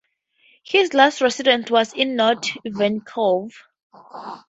His last residence was in North Vancouver.